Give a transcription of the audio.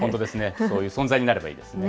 そういう存在になればいいですね。